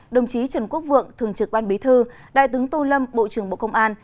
đồng chí trần quốc vượng thường trực ban bí thư đại tướng tô lâm bộ trưởng bộ công an